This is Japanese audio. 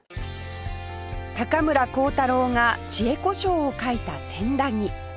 高村光太郎が『智恵子抄』を書いた千駄木